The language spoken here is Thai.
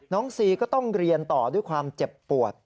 ซีก็ต้องเรียนต่อด้วยความเจ็บปวด